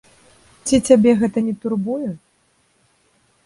Ці цябе гэта не турбуе?